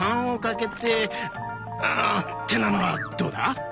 あってなのはどうだ？